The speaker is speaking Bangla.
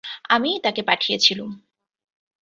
আমিই তাকে পাঠিয়েছিলুম।